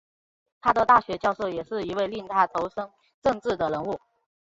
他的大学教授也是一位令他投身政治的人物。